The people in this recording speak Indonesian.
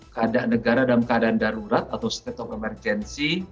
kedatangan negara dalam keadaan darurat atau stetok emergensi